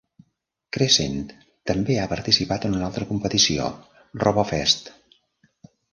Crescent també ha participat en una altra competició, RoboFest.